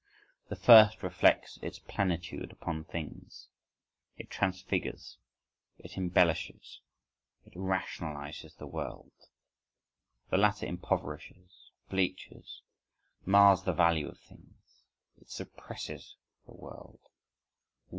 The first reflects its plenitude upon things,—it transfigures, it embellishes, it rationalises the world,—the latter impoverishes, bleaches, mars the value of things; it suppresses the world.